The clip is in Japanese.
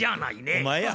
お前や。